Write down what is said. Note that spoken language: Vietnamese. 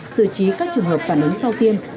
xử trí các trường hợp phản ứng sau tiêm